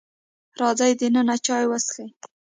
راځئ دننه چای وسکئ.